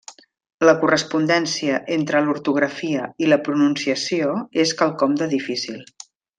La correspondència entre l'ortografia i la pronunciació és quelcom de difícil.